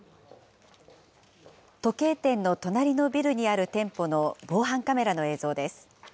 時計店の隣のビルにある店舗の防犯カメラの映像です。